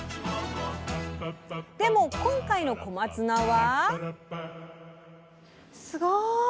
でも今回の小松菜は。